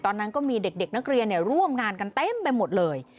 ตอนนั้นก็มีเด็กนักเรียนร่วมงานกันเต็มไปหมดเลย